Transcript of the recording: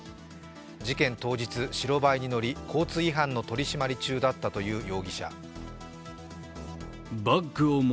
事件当日白バイに乗り交通違反の取締り中だったという容疑者。